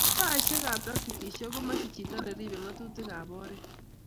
Taishek ab trafikishek komache chito niripei ngatukik ab oret